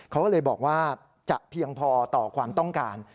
เขาก็เลยบอกว่าจะเพียงพอต่อความต้องการ